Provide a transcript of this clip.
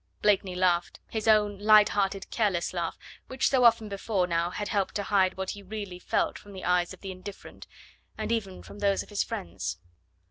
Blakeney laughed, his own light hearted careless laugh, which so often before now had helped to hide what he really felt from the eyes of the indifferent, and even from those of his friends.